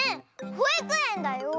「ほいくえん」だよ。